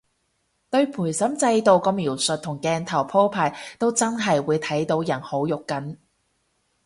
對陪審制度個描述同鏡頭鋪排都真係會睇到人好肉緊